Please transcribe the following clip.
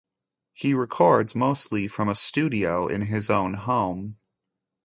He records mostly from a studio in his own home.